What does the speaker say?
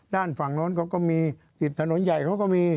ด้านฝั่งโน้นเขาก็มีติดถนนใหญ่เขาก็มี